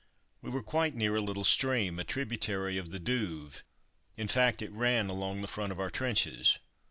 We were quite near a little stream, a tributary of the Douve, in fact it ran along the front of our trenches.